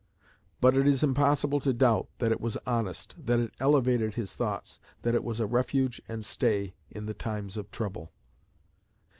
But it is impossible to doubt that it was honest, that it elevated his thoughts, that it was a refuge and stay in the times of trouble.